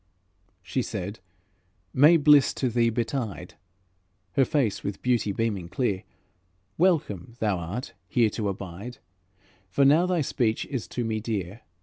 She said, "May bliss to thee betide," Her face with beauty beaming clear, "Welcome thou art here to abide, For now thy speech is to me dear.